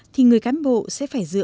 thì người cán bộ sẽ phải giải quyết